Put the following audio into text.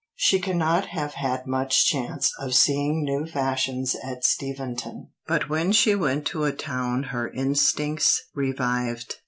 She cannot have had much chance of seeing new fashions at Steventon, but when she went to a town her instincts revived.